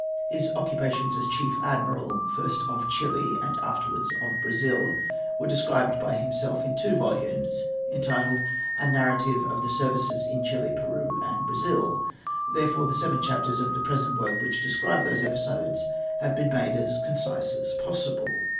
His occupations as Chief Admiral, first of Chili and afterwards of Brazil, were described by himself in two volumes, entitled, "A Narrative of Services in Chili, Peru, and Brazil." Therefore, the seven chapters of the present work which describe these episodes have been made as concise as possible.